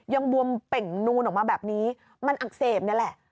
บวมเป่งนูนออกมาแบบนี้มันอักเสบนี่แหละ